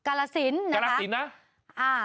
กาลสินนะ